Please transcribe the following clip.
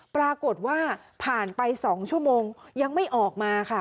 ปรากฏว่าผ่านไป๒ชั่วโมงยังไม่ออกมาค่ะ